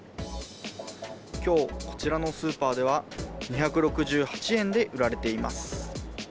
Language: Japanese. きょう、こちらのスーパーでは、２６８円で売られています。